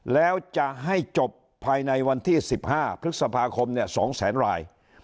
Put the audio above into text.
แล้วจะให้จบภายในวันที่๑๕พฤษภาคม๒แสนราย